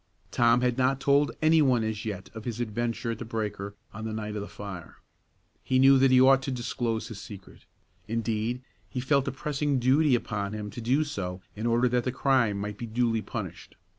Tom had not told any one as yet of his adventure at the breaker on the night of the fire. He knew that he ought to disclose his secret; indeed, he felt a pressing duty upon him to do so in order that the crime might be duly punished.